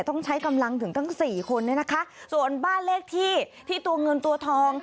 ต้องใช้กำลังถึงตั้งสี่คนเนี่ยนะคะส่วนบ้านเลขที่ที่ตัวเงินตัวทอง